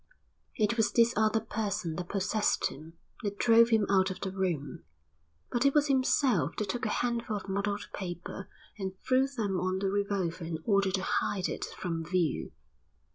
It was this other person that possessed him that drove him out of the room, but it was himself that took a handful of muddled papers and threw them on the revolver in order to hide it from view.